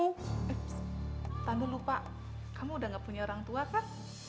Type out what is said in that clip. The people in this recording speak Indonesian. eh tandu lupa kamu udah gak punya orang tua kan